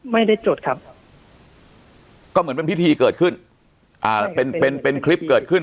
ไม่ได้จดครับก็เหมือนเป็นพิธีเกิดขึ้นอ่าเป็นเป็นคลิปเกิดขึ้น